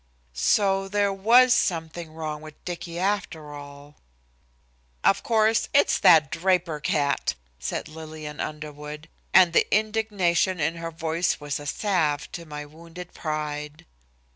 So there was something wrong with Dicky after all! "Of course, it's that Draper cat," said Lillian Underwood, and the indignation in her voice was a salve to my wounded pride.